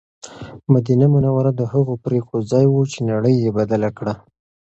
مدینه منوره د هغو پرېکړو ځای و چې نړۍ یې بدله کړه.